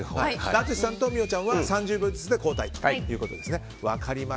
淳さんと美桜ちゃんは３０秒ずつで交代ですね。